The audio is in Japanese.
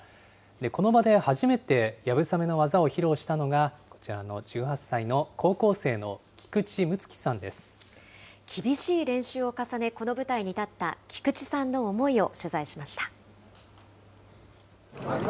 この場で初めてやぶさめの技を披露したのがこちらの１８歳の高校厳しい練習を重ね、この舞台にたった菊池さんの思いを取材しました。